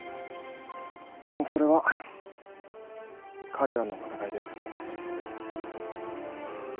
でもそれは彼らの戦いです。